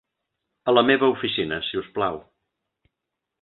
A la meva oficina si us plau.